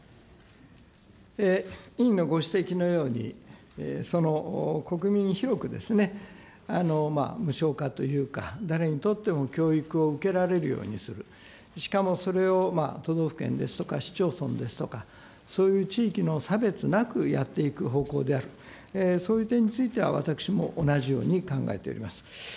委員のご指摘のように、国民に広く無償化というか、誰にとっても、教育を受けられるようにする、しかもそれを都道府県ですとか、市町村ですとか、そういう地域の差別なく、やっていく方向である、そういう点については私も同じように考えております。